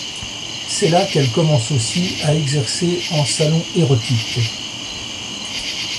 C'est là qu'elle commence aussi à exercer en salon érotique.